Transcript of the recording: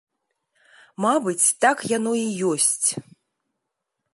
Мабыць, так яно і ёсць.